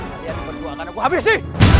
kalian berdua akan aku habisi